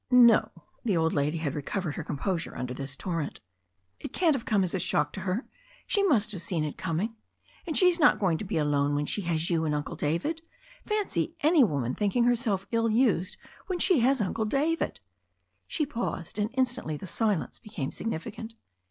"No." The old lady had recovered her composure under this torrent 'Tt can't have come as tt shock to her. She must have l^en it coming. And she's not going to be alone when she has you and Uncle David. Fancy any woman thinking her« self ill used when she has Uncle David 1" She paused, and instantly the silence became significant.